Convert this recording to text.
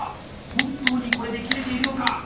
本当にこれで切れているのか。